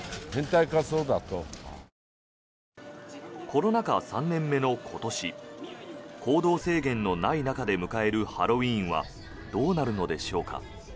コロナ禍３年目の今年行動制限のない中で迎えるハロウィーンはどうなるのでしょうか。